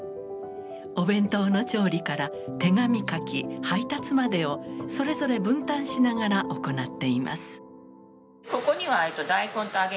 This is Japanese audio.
お弁当の調理から手紙書き配達までをそれぞれ分担しながら行っています。